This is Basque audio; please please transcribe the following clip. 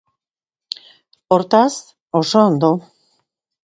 Hortaz, oso ondo.